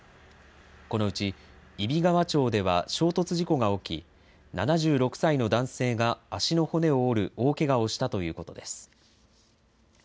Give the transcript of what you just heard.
このうち、揖斐川町では衝突事故が起き、７６歳の男性が足の骨を折る大けがをしたということです。